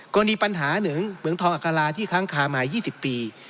กรณีปัญหาหนึ่งเหมืองทองอัคราที่ค้างคามา๒๐ปี